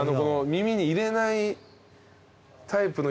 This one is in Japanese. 耳に入れないタイプの。